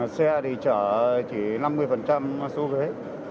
xe thì chở chỉ năm mươi xu kế